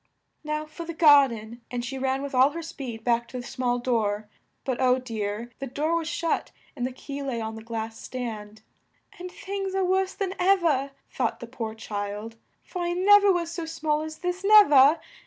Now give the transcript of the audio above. "Now for the gar den," and she ran with all her speed back to the small door; but, oh dear! the door was shut, and the key lay on the glass stand, "and things are worse than ev er," thought the poor child, "for I nev er was so small as this, nev er!